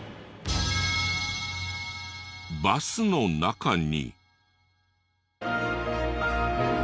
バスの中に。